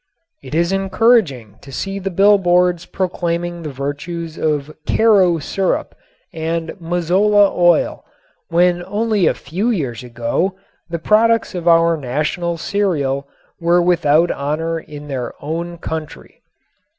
It is encouraging to see the bill boards proclaiming the virtues of "Karo" syrup and "Mazola" oil when only a few years ago the products of our national cereal were without honor in their own country.